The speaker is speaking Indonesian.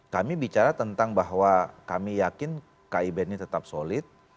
kami bicara tentang bahwa kami yakin kib ini tetap solid